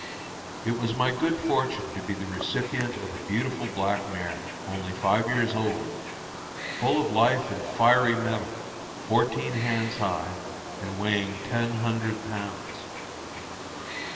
It was my good fortune to be the recipient of a beautiful black mare, only five years old, full of life and fiery metal, fourteen hands high, and weighing ten hundred pounds.